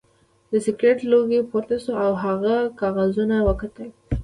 د سګرټ لوګی پورته شو او هغه کاغذونه وکتل